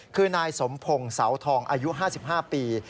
คือนายสมพงศ์เสาทองอายุ๕๕ปี